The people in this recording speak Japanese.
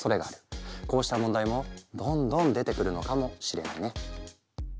こうした問題もどんどん出てくるのかもしれないね。